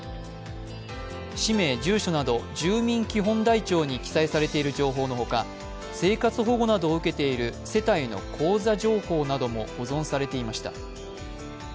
氏名、住所など住民基本台帳に記載されている情報のほか生活保護などを受けている世帯の口座情報なども保存されていました。